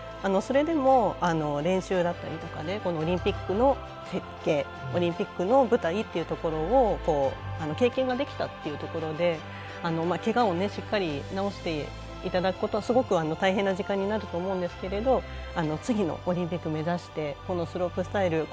それでも練習だったりとかでオリンピックの設計オリンピックの舞台というところを経験ができたというところでけがをしっかり治していただくことはすごく大変な時間になると思うんですけど次のオリンピックを目指してこのスロープスタイル